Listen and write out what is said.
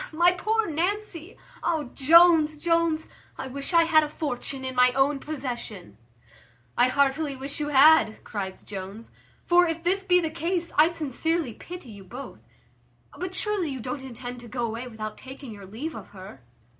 my poor Nancy! Oh! Jones, Jones, I wish I had a fortune in my own possession." "I heartily wish you had," cries Jones; "for, if this be the case, I sincerely pity you both; but surely you don't intend to go away without taking your leave of her?"